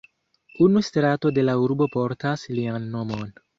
Unu strato de la urbo portas lian nomon.